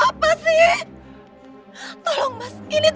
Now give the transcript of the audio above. aku mau ke rumah